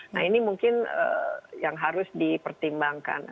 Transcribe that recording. nah ini mungkin yang harus dipertimbangkan